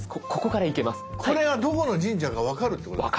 これがどこの神社か分かるってことですか？